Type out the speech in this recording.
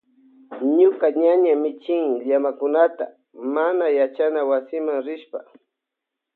Ñuka ñaña michin llamakunata mana yachana wasima rishpa.